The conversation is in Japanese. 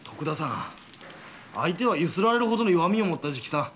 相手は強請られるほどの弱みを持った直参。